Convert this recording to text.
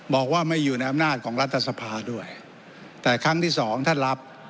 บอกว่าไม่อยู่ในอำนาจของรัฐสภาด้วยแต่ครั้งที่สองท่านรับ